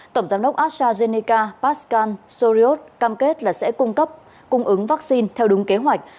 tổng giám đốc astrazeneca pastan soriot cam kết là sẽ cung cấp cung ứng vaccine theo đúng kế hoạch